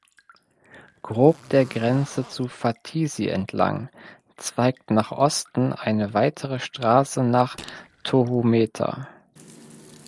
Grob der Grenze zu Fatisi entlang zweigt nach Osten eine weitere Straße nach Tohumeta.